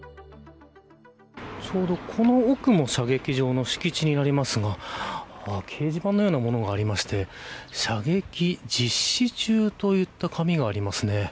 ちょうどこのを奥も射撃場の敷地になりますが掲示板のようなものがありまして射撃実施中といった紙がありますね。